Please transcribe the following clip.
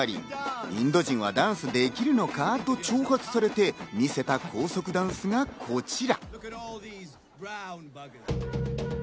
インド人はダンスできるのかと挑発されて、見せた高速ダンスがこちら。